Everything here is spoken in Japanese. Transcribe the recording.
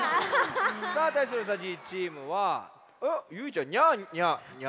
さあたいするうさじいチームはゆいちゃん「ニャニャニャ」。